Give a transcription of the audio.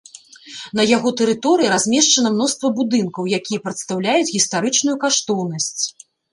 На яго тэрыторыі размешчана мноства будынкаў, якія прадстаўляюць гістарычную каштоўнасць.